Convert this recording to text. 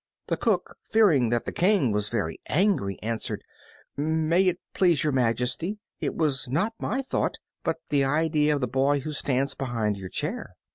The cook, fearing that the King was angry, answered, "May it please your Majesty, it was not my thought, but the idea of the boy who stands behind your chair."